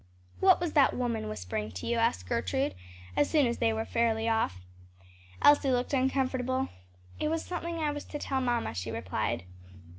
"What was that woman whispering to you?" asked Gertrude, as soon as they were fairly off. Elsie looked uncomfortable. "It was something I was to tell mamma," she replied.